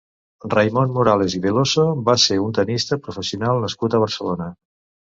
Raimon Morales i Veloso va ser un tennista professional nascut a Barcelona.